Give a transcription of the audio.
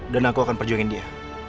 dan aku akan perjuangin dia